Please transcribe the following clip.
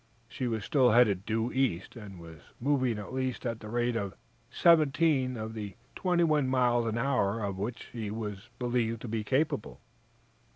She was still headed due east, and was moving at last at the rate of seventeen of the twenty one miles an hour of which she was believed to be capable.